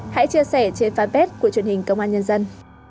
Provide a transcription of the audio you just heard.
hãy chia sẻ trên fanpage của truyền hình công an nhân dân